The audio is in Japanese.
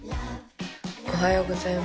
おはようございます。